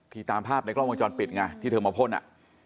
ตามภาพในกล้องวงจรปิดไงที่เธอมาพ่นอ่ะ